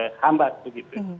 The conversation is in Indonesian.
di hambat begitu